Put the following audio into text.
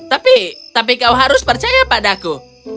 tapi tapi kau harus percaya padaku